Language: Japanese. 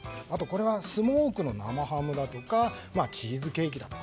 あと、スモークの生ハムだとかチーズケーキ。